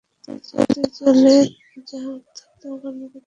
তুই চলে যা উর্ধ্বতন কর্মকর্তা কি তাকে মারতে বলেছে?